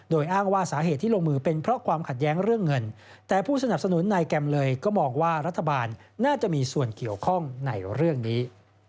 โดยอ้างว่าสาเหตุที่ลงมือเป็นเพราะความขัดแย้งเรื่องเงินแต่ผู้สนับสนุนนายแกมเลยก็มองว่ารัฐบาลน่าจะมีส่วนเกี่ยวข้องในเรื่องนี้